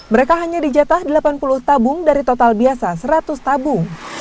mereka hanya dijatah delapan puluh tabung dari total biasa seratus tabung